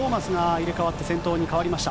入れ代わって先頭に変わりました。